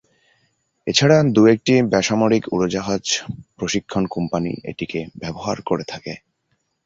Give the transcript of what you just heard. এ ছাড়া দু’-একটি বেসরকারি উড়োজাহাজ প্রশিক্ষণ কোম্পানি এটিকে ব্যবহার করে থাকে।